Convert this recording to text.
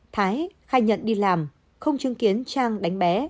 thái khai nhận đi làm không chứng kiến trang đánh bé